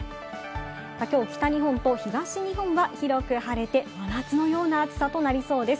きょう北日本、東日本が広く晴れて、真夏のような暑さとなりそうです。